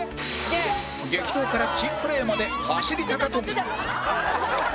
激闘から珍プレーまで走り高跳び